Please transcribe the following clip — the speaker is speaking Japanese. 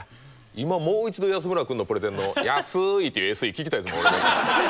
今もう一度安村君のプレゼンの「安い」っていうＳＥ聞きたいですもん。